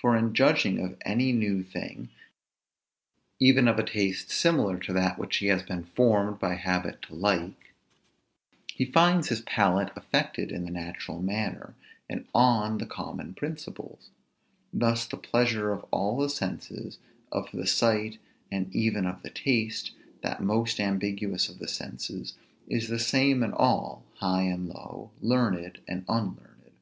For in judging of any new thing, even of a taste similar to that which he has been formed by habit to like, he finds his palate affected in the natural manner, and on the common principles. Thus the pleasure of all the senses, of the sight, and even of the taste, that most ambiguous of the senses, is the same in all, high and low, learned and unlearned.